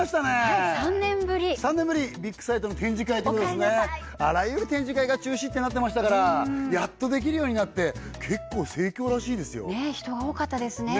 はい３年ぶり３年ぶりビッグサイトの展示会ということですねあらゆる展示会が中止ってなってましたからやっとできるようになって結構盛況らしいですよね